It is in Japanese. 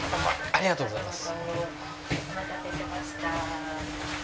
ありがとうございます。